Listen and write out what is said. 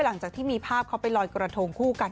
หลังจากที่มีภาพเขาไปลอยกระทงคู่กัน